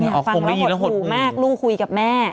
ฟังแล้วหดหูมากลุงคุยกับแม่